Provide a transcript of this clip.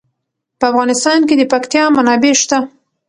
په افغانستان کې د پکتیا منابع شته.